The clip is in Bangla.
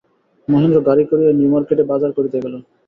মহেন্দ্র গাড়ি করিয়া নিউ মার্কেটে বাজার করিতে গেল।